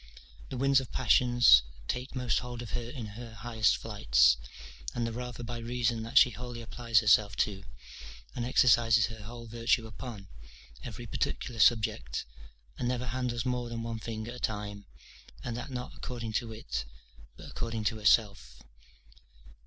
The winds of passions take most hold of her in her highest flights; and the rather by reason that she wholly applies herself to, and exercises her whole virtue upon, every particular subject, and never handles more than one thing at a time, and that not according to it, but according to herself.